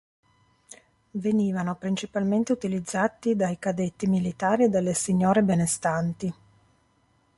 Venivano principalmente utilizzati dai cadetti militari e dalle signore benestanti.